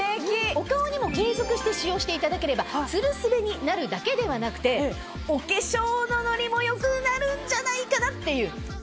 お顔にも継続して使用していただければツルスベになるだけではなくてお化粧のノリも良くなるんじゃないかなっていう。